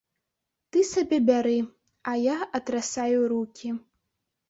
Ты сабе бяры, а я атрасаю рукі.